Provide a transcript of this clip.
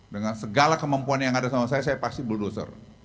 dengan segala kemampuan yang ada di dalam saya saya pasti buldoser